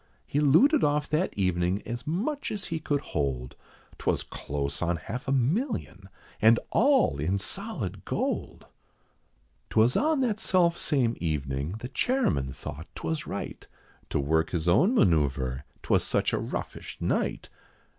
He looted off that evening as much as he could hold, 'Twas close on half a million, and all in solid gold. 'Twas on that self same evening the chairman thought 'twas right, To work his own manoeuvre, 'twas such a roughish night.